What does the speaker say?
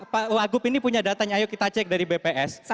pak wagub ini punya datanya ayo kita cek dari bps